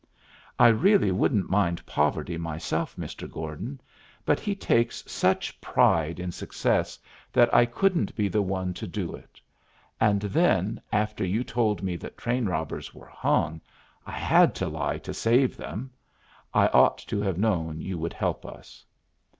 I really wouldn't mind poverty myself, Mr. Gordon, but he takes such pride in success that I couldn't be the one to do it. And then, after you told me that train robbers were hung, I had to lie to save them. I ought to have known you would help us."